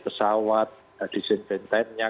pesawat dari sententennya